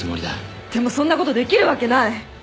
でもそんなことできるわけない。